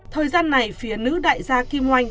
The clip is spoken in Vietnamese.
thời gian này phía nữ đại gia kim oanh